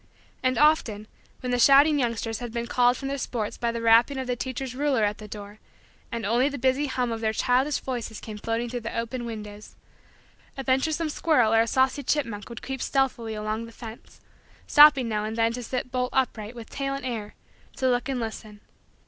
And often, when the shouting youngsters had been called from their sports by the rapping of the teacher's ruler at the door and only the busy hum of their childish voices came floating through the open windows, a venturesome squirrel or a saucy chipmunk would creep stealthily along the fence, stopping now and then to sit bolt upright with tail in air to look and listen.